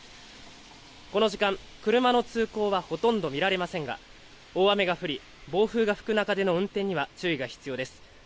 この時間、車の通行はほとんど見られませんが大雨が降り暴風が吹く中での運転には注意が必要です。